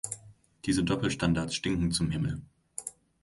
Diese Doppelstandards stinken zum Himmel.